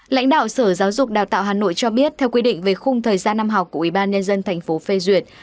lãnh đạo sở giáo dục đào tạo hà nội cho biết theo quy định về khung thời gian năm học của ubnd tp phê duyệt